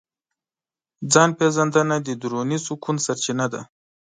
ځان پېژندنه د دروني سکون سرچینه ده.